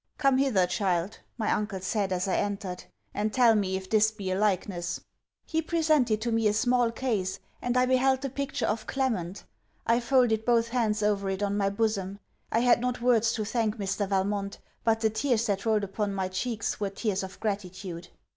'Come hither, child,' my uncle said as I entered; 'and tell me if this be a likeness.' He presented to me a small case, and I beheld the picture of Clement. I folded both hands over it on my bosom. I had not words to thank Mr. Valmont; but the tears that rolled upon my cheeks were tears of gratitude.